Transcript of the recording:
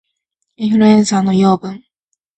インフルエンサーの養分